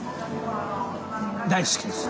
大好きです！